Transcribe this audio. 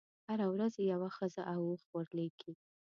هره ورځ یوه ښځه او اوښ ورلېږي.